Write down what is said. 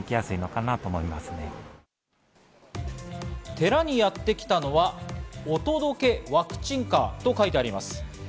寺にやってきたのは、「おとどけ！ワクチンカー」と書いてあります。